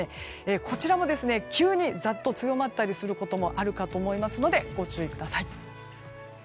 こちらも急にざっと強まったりすることもあるかと思いますのでご注意ください。